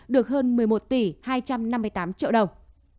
được hơn một mươi một tỷ hai trăm năm mươi tám triệu đồng